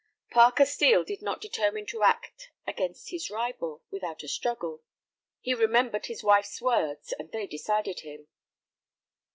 Parker Steel did not determine to act against his rival, without a struggle. He remembered his wife's words, and they decided him.